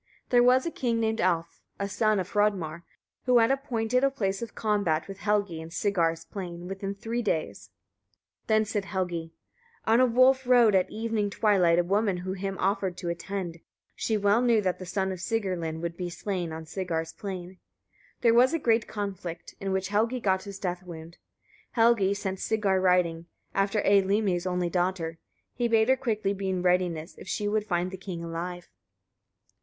There was a king named Alf, a son of Hrodmar, who had appointed a place of combat with Helgi in Sigar's plain within three days. Then said Helgi: 35. On a wolf rode, at evening twilight, a woman who him offered to attend. She well knew, that the son of Sigrlinn would be slain, on Sigar's plain. There was a great conflict, in which Helgi got his death wound. 36. Helgi sent Sigar riding, after Eylimi's only daughter: he bade her quickly be in readiness, if she would find the king alive.